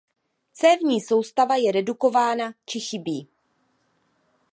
Cévní soustava je redukovaná či chybí.